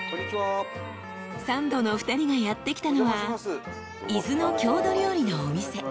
［サンドのお二人がやって来たのは伊豆の郷土料理のお店］